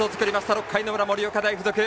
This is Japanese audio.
６回の裏、盛岡大付属。